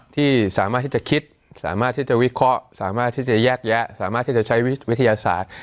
ที่สามารถที่จะคิดสามารถที่จะวิเคราะห์สามารถที่จะแยกแยะสามารถที่จะใช้วิทยาศาสตร์